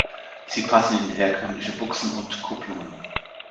Sie passen in herkömmliche Buchsen und Kupplungen.